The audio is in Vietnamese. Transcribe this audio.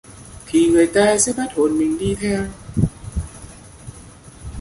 thì người ta sẽ bắt hồn mình đi theo